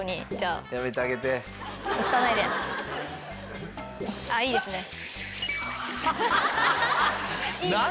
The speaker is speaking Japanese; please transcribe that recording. ああいいですね。